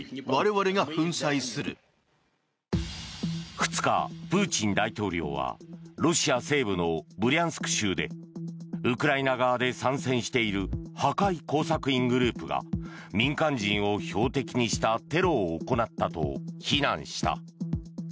２日、プーチン大統領はロシア西部のブリャンスク州でウクライナ側で参戦している破壊工作員グループが民間人を標的にしたテロを行ったと非難した。